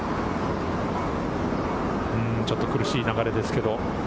ちょっと苦しい流れですけれども。